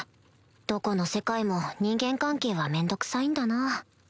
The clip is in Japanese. どこの世界も人間関係は面倒くさいんだなぁ